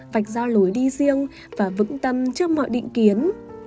vạch ra lối đi riêng và vững tâm trước mọi định kiến